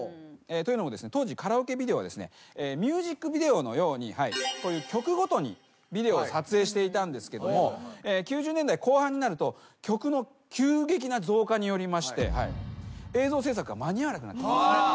というのも当時カラオケビデオはミュージックビデオのように曲ごとにビデオを撮影していたんですけども９０年代後半になると曲の急激な増加によりまして映像制作が間に合わなくなってくるんですね。